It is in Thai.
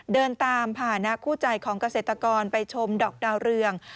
เดินตามผ่านะคู่ใจของเกษตรกรไปชมดอกดาวเรือง